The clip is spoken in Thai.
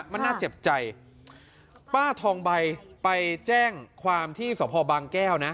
มันน่าเจ็บใจป้าทองใบไปแจ้งความที่สพบางแก้วนะ